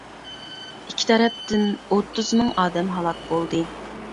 ئىككى تەرەپتىن ئوتتۇز مىڭ ئادەم ھالاك بولدى.